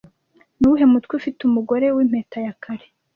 Nuwuhe mutwe ufite umugore wimpeta ya kare